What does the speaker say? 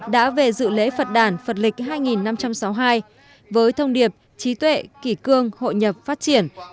đã về dự lễ phật đàn phật lịch hai năm trăm sáu mươi hai với thông điệp trí tuệ kỷ cương hội nhập phát triển